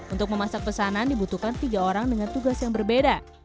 untuk memasak pesanan dibutuhkan tiga orang dengan tugas yang berbeda